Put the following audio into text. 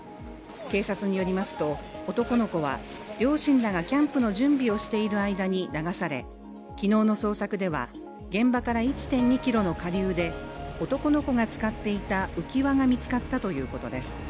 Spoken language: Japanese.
警察によりますと、男の子は両親らがキャンプの準備をしている間に流され、昨日の捜索では、現場から１．２ｋｍの下流で男の子が使っていた浮き輪が見つかったということです。